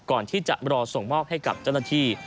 ก่อนที่จะรอส่งมอบให้กับเจ้าหน้าที่